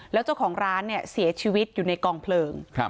แล้วเจ้าของร้านเนี่ยเสียชีวิตอยู่ในกองเพลิง